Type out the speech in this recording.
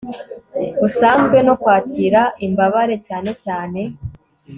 busanzwe no kwakira imbabare cyane cyane